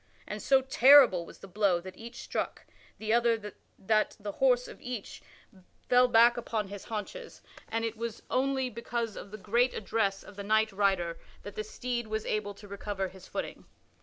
And so terrible was the blow that each struck the other that the horse of each fell back upon his haunches, and it was only because of the great address of the knight rider that the steed was able to recover his footing.